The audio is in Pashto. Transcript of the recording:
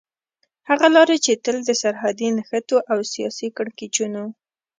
هغه لارې چې تل د سرحدي نښتو او سياسي کړکېچونو